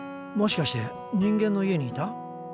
もしかして人間の家にいた？